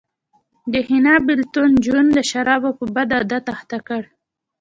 د حنا بېلتون جون د شرابو په بد عادت اخته کړ